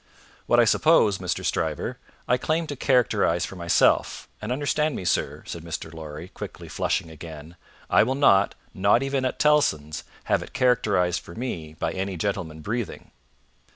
"What I suppose, Mr. Stryver, I claim to characterise for myself And understand me, sir," said Mr. Lorry, quickly flushing again, "I will not not even at Tellson's have it characterised for me by any gentleman breathing."